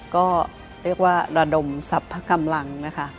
ก็เรียกว่าระดมสรรพกำลังนะคะ